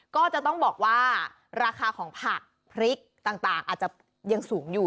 ก็จะต้องบอกว่าราคาของผักพริกต่างอาจจะยังสูงอยู่